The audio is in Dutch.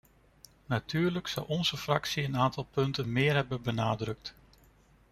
Natuurlijk zou onze fractie een aantal punten meer hebben benadrukt.